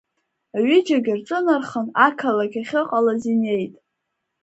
Аҩыџьагьы рҿынархан ақалақь ахьыҟалаз инеит.